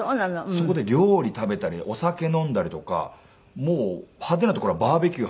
そこで料理食べたりお酒飲んだりとかもう派手なところはバーベキュー始めたり。